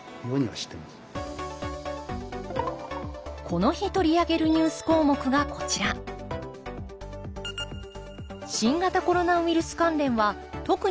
この日取り上げるニュース項目がこちら新型コロナウイルス関連は特に重要だと考え